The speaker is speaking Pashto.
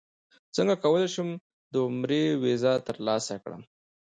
څنګه کولی شم د عمرې ویزه ترلاسه کړم